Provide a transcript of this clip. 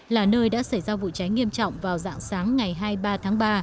là nơi đã xảy ra vụ cháy nghiêm trọng vào dạng sáng ngày hai mươi ba tháng ba